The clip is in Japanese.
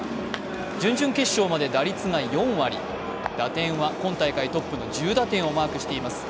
準々決勝まで打率が４割打点は今大会トップの１０打点をマークしています。